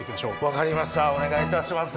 分かりましたお願いいたします。